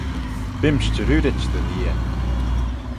Beem's jarroodit dy lheah.